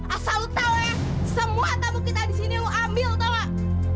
asal lo tau ya semua tamu kita disini lo ambil tau gak